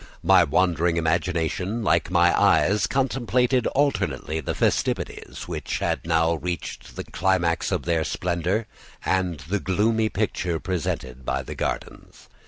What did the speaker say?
My wandering imagination, like my eyes, contemplated alternately the festivities, which had now reached the climax of their splendor, and the gloomy picture presented by the gardens.